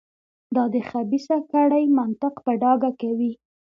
دا د خبیثه کړۍ منطق په ډاګه کوي.